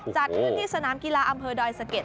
จัดขึ้นที่สนามกีฬาอำเภอดอยสะเก็ด